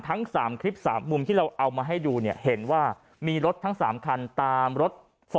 ทั้ง๓คลิป๓มุมที่เราเอามาให้ดูเนี่ยเห็นว่ามีรถทั้ง๓คันตามรถ